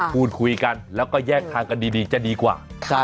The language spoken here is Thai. พูดคุยกันแล้วก็แยกทางกันดีจะดีกว่า